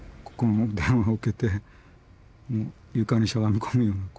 電話を受けてもう床にしゃがみ込むような。